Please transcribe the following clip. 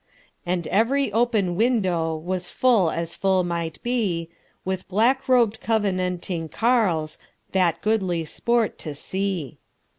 And every open windowWas full as full might beWith black rob'd Covenanting carles, That goodly sport to see!